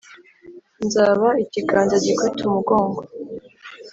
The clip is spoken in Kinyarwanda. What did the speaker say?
nzaba ikiganza gikubita umugongo